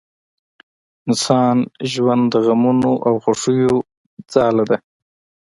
انسان ژوند د غمونو او خوښیو ځاله ده